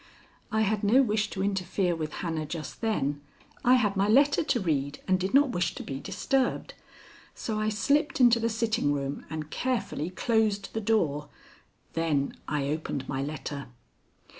I had no wish to interfere with Hannah just then. I had my letter to read, and did not wish to be disturbed. So I slipped into the sitting room and carefully closed the door. Then I opened my letter.